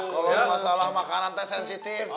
kalau masalah makanan teh sensitif